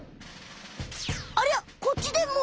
ありゃこっちでも！